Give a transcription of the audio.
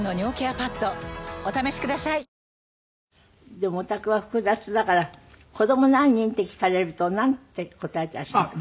でもお宅は複雑だから「子ども何人？」って聞かれるとなんて答えてらっしゃるんですか。